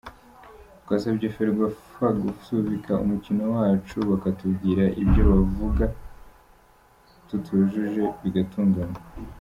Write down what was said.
Twasabye Ferwafa gusubika umukino wacu bakatubwira ibyo bavuga tutujuje bigatunganywa.